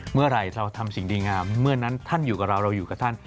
เมื่อไหร่เราทำสิ่งดีงามเมื่อนั้นท่านอยู่กับเราเราอยู่กับท่าน